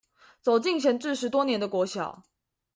走進閒置十多年的國小